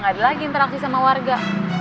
gak ada lagi interaksi sama warga